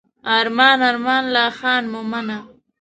ارمان ارمان لا خان مومنه.